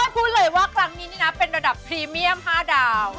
พูดเลยว่าครั้งนี้นี่นะเป็นระดับพรีเมียม๕ดาว